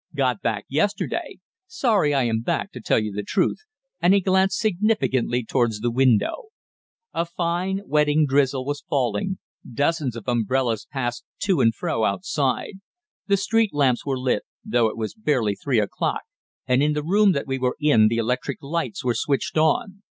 Got back yesterday. Sorry I am back, to tell you the truth," and he glanced significantly towards the window. A fine, wetting drizzle was falling; dozens of umbrellas passed to and fro outside; the street lamps were lit, though it was barely three o'clock, and in the room that we were in the electric lights were switched on.